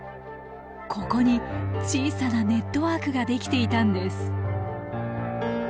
ここに小さなネットワークが出来ていたんです。